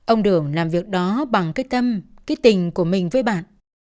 ông đường làm việc đó bằng cái tâm cái tình của mình với bạn